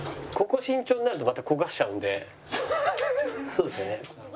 そうですね。